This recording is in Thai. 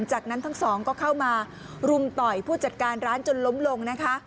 จากนั้นทั้งสองก็เข้ามารุมต่อยผู้จัดการร้านจนล้มลงนะคะ